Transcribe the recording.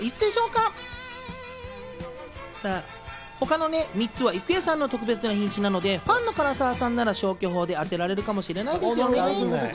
他の３つは郁恵さんの特別な日にちなので、ファンの唐沢さんなら消去法で当てられるかもしれないですね。